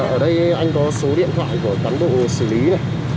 ở đây anh có số điện thoại của cán bộ xử lý này